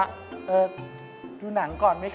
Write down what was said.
ถ้าเป็นปากถ้าเป็นปาก